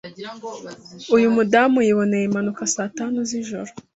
Uyu mudamu yiboneye impanuka saa tatu zijoro